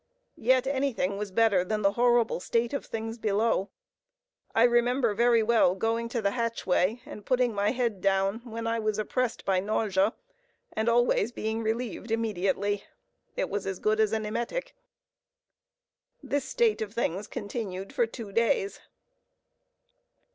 Yet anything was better than the horrible state of things below. I remember very well going to the hatchway and putting my head down, when I was oppressed by nausea, and always being relieved immediately. It was as good as an emetic. This state of things continued for two days.